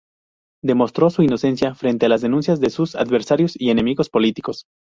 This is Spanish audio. Demostró su inocencia frente a las denuncias de sus adversarios y enemigos políticos.